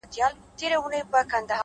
هره هڅه د راتلونکي لپاره خښته ږدي’